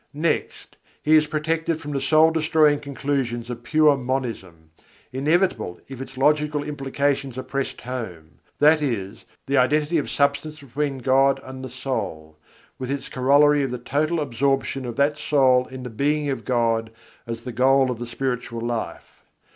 Next, he is protected from the soul destroying conclusions of pure monism, inevitable if its logical implications are pressed home: that is, the identity of substance between God and the soul, with its corollary of the total absorption of that soul in the Being of God as the goal of the spiritual life.